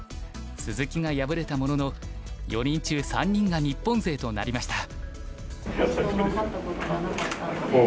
鈴木が敗れたものの４人中３人が日本勢となりました。